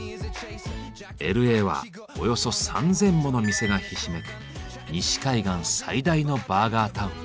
Ｌ．Ａ．はおよそ３，０００もの店がひしめく西海岸最大のバーガータウン。